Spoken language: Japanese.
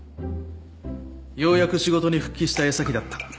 ようやく仕事に復帰した矢先だった。